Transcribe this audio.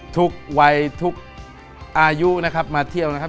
ทุกวัยทุกอายุนะครับมาเที่ยวนะครับ